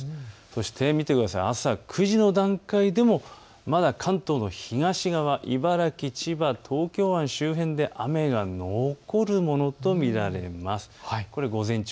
そして見てください、朝９時の段階でもまだ関東の東側、茨城、千葉、東京湾周辺で雨が残るものと見られます。